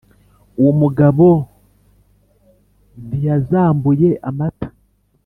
uwo mugabo ntiyazambuye amata